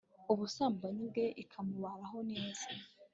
ubusambanyi bwe ikamubaraho neza